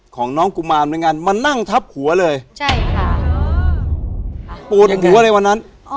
ของน้องกุมารในงานมานั่งทับหัวเลยใช่ค่ะโปรดหัวอะไรวันนั้น